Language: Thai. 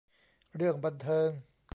เรื่องบันเทิง